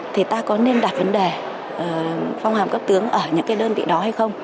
thì ta có nên đặt vấn đề phong hàm cấp tướng ở những cái đơn vị đó hay không